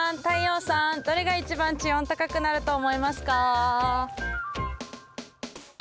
太陽さんどれが一番地温高くなると思いますか？